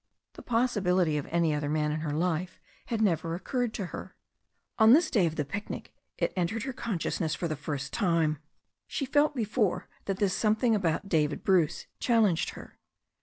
The pos sibility of any other man in her life had never occurred to her. On this day of the picnic it entered her consciousnesis for 68 THE STORY OF A NEW ZEALAND RIVER the first time. She had felt before this that something about David Bruce challenged her.